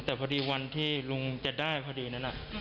แต่พอดีวันที่ลุงจะได้พอดีนั้น